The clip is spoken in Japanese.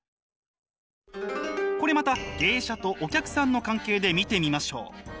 これまた芸者とお客さんの関係で見てみましょう。